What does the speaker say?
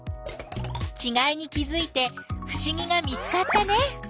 ちがいに気づいてふしぎが見つかったね！